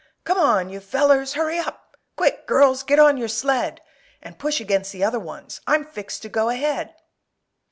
"Come on, you fellers; hurry up! Quick, girls, get on your sled! And push against the other ones, I'm fixed to go ahead!"